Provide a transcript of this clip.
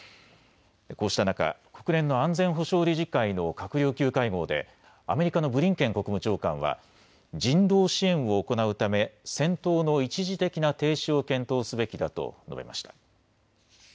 こうした中、国連の安全保障理事会の閣僚級会合でアメリカのブリンケン国務長官は人道支援を行うため戦闘の一時的な停止を検討すべきだと述べました。